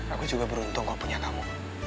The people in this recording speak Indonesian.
aku juga beruntung kau punya kamu